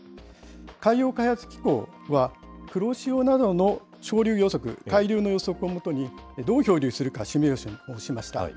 海洋開発機構は黒潮などの潮流予測、海流の予測を基に、どう漂流するかシミュレーションしました。